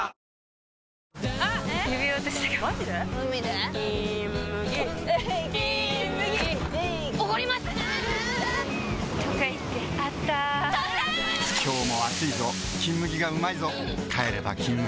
今日も暑いぞ「金麦」がうまいぞ帰れば「金麦」